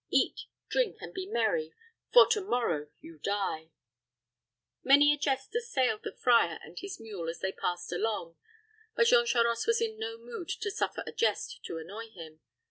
Eat, drink, and be merry, for to morrow you die." Many a jest assailed the friar and his mule as they passed along; but Jean Charost was in no mood to suffer a jest to annoy him.